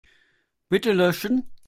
Bitte löschen.